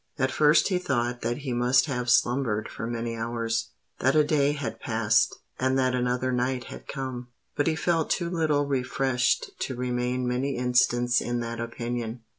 At first he thought that he must have slumbered for many hours—that a day had passed, and that another night had come;—but he felt too little refreshed to remain many instants in that opinion.